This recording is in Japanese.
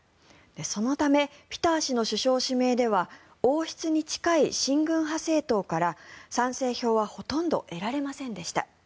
そのためピター氏の首相指名では王室に近い親軍派政党から賛成票はほとんど得られませんでした。